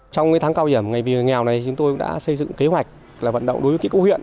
trong tháng cao hiểm ngày vì người nghèo này chúng tôi đã xây dựng kế hoạch là vận động đối với ký cấp huyện